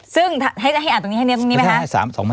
ซึ่งให้อ่านตรงนี้ให้เน็บตรงนี้ไหมคะ